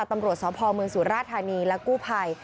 ตำรวจสอบพลเมืองศูนย์ราชธานีและกู้ภัย